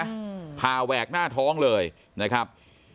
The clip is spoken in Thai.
อืมพาแหวกหน้าท้องเลยนะครับ